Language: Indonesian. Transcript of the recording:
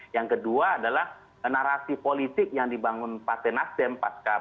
yang kedua adalah narasi politik yang dibangun pak t nasdem pak pendeklarasian